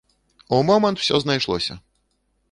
У момант усё знайшлося!